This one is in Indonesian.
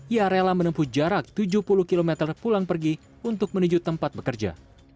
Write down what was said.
ia rela menempuh jarak tujuh puluh km pulang pergi untuk menuju tempat bekerja